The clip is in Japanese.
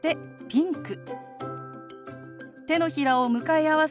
「ピンク」。